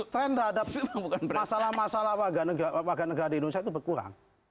dan harus dapet tren terhadap masalah masalah warga negara indonesia itu berkurang